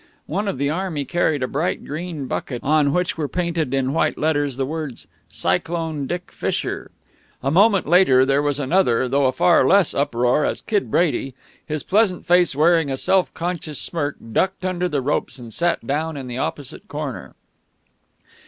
One of the army carried a bright green bucket, on which were painted in white letters the words "Cyclone Dick Fisher." A moment later there was another, though a far less, uproar, as Kid Brady, his pleasant face wearing a self conscious smirk, ducked under the ropes and sat down in the opposite corner.